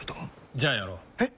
じゃあやろう。え？